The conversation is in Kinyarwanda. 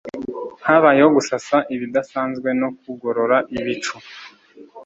Habayeho gusasa bidasanzwe no kugorora ibicu